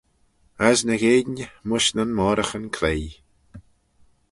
As ny eayin mysh nyn moiraghyn cloie.